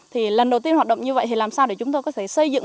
thì lần đầu tiên hoạt động như vậy thì làm sao để chúng tôi có thể xây dựng